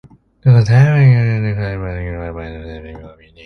At the time, Richardson's research was ignored by the scientific community.